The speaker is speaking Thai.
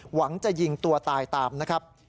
หวังจะยิงตัวตายตามนะครับ